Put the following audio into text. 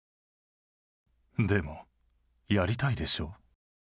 でもやりたいでしょ？